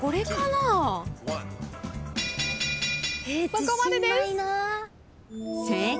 そこまでです。